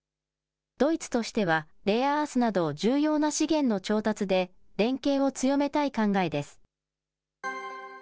ドイツとしては、レアアースなど重要な資源の調達で連携を強めたい考えです。